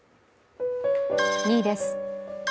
２位です。